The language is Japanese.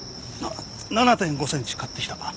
７．５センチ買ってきた。